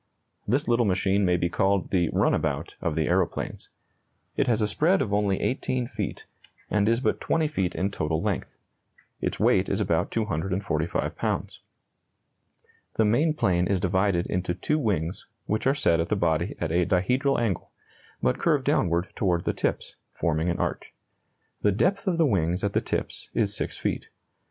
This little machine may be called the "runabout" of the aeroplanes. It has a spread of only 18 feet, and is but 20 feet in total length. Its weight is about 245 pounds. The main plane is divided into two wings, which are set at the body at a dihedral angle, but curve downward toward the tips, forming an arch. The depth of the wings at the tips is 6 feet.